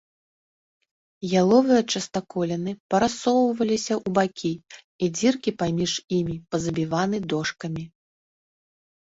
Яловыя частаколіны парассоўваліся ў бакі, і дзіркі паміж імі пазабіваны дошкамі.